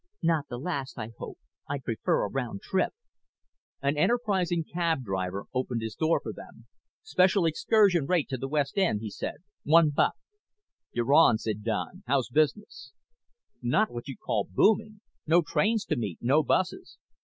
"Not the last, I hope. I'd prefer a round trip." An enterprising cab driver opened his door for them. "Special excursion rate to the west end," he said. "One buck." "You're on," Don said. "How's business?" "Not what you'd call booming. No trains to meet. No buses.